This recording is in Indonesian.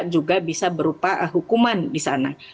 juga bisa berupa hukuman disana